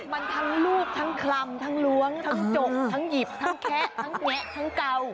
มันทั้งรูปทั้งคลำทั้งล้วงทั้งจกทั้งหยิบทั้งแคะทั้งแงะทั้งเก่า